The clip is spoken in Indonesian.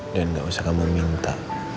dan gak usah kamu minta